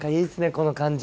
この感じ。